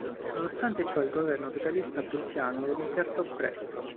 Nonostante ciò il governo socialista prussiano lo rimpiazzò presto.